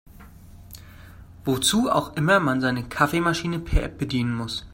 Wozu auch immer man seine Kaffeemaschine per App bedienen muss.